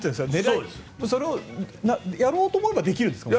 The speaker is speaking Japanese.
それをやろうと思えばできるんですか？